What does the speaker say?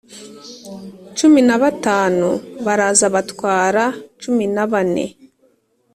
cumi na batanu baraza batwara cumi na bane,